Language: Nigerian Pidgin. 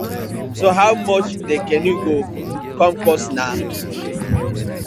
So how much the canoe go com cost naw?